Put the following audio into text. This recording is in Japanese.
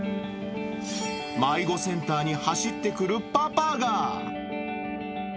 迷子センターに走ってくるパパが。